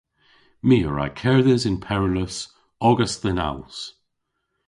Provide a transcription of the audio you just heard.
My a wra kerdhes yn peryllus ogas dhe'n als.